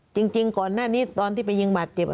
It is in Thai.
จริงก่อนหน้านี้ตอนที่ไปยิงบาดเจ็บ